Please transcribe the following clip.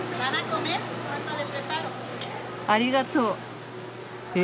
ありがとう！え！？